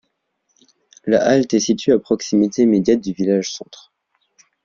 La halte est située à proximité immédiate du village centre.